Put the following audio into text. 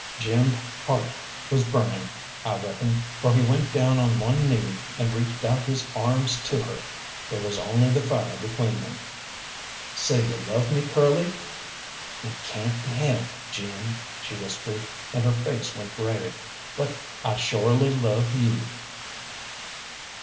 Jim's heart was burning, I reckon, for he went down on one knee and reached out his arms to her. There was only the fire between them. "Say you love me, Curly?" "It cayn't be helped, Jim," she whispered, and her face went grave, "but I shorely love you."